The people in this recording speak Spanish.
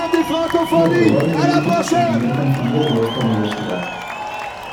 Fue probablemente el primer canciller de esta universidad.